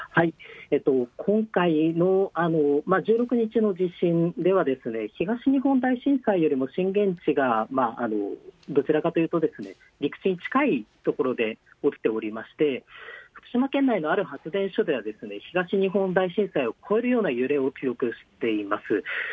今回の１６日の地震では、東日本大震災よりも震源地が、どちらかというと、陸地に近い所で起きておりまして、福島県内のある発電所では、東日本大震災を超えるような揺れを記録しています。